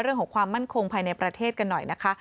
เรื่องของความมั่นคงภายในประเทศกันหน่อยนะคะ